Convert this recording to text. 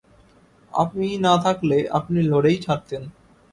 আমি না থাকলে আপনি লড়েই ছাড়তেন।